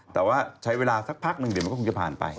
แต่ว่าใช้เวลาสักพักหนึ่งเดี๋ยวมันก็คงจะผ่านไป